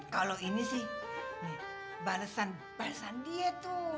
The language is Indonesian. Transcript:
kalau ini sih balesan balasan dia tuh